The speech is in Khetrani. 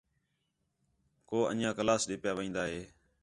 کُو اِنڄیاں کلاس ݙے پِیا وین٘دا ہے